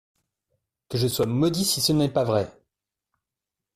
Que je sois maudit si ce n’est pas vrai !